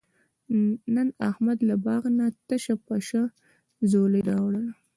نن احمد له باغ نه تشه پشه ځولۍ راوړله.